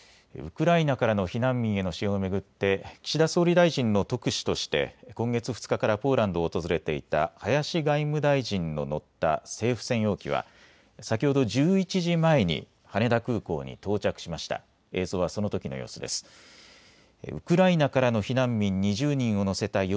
ウクライナからの避難民への支援を巡って、岸田総理大臣の特使として今月２日からポーランドを訪れていた林外務大臣の乗った政府専用機は先ほど１１時前に羽田空港に到着しました。